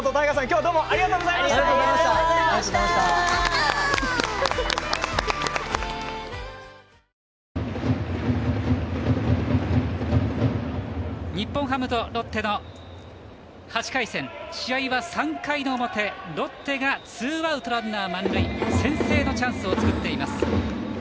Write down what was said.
日本ハムとロッテの８回戦試合は３回の表ロッテがツーアウトランナー満塁先制のチャンスを作っています。